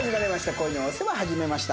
『恋のお世話始めました』。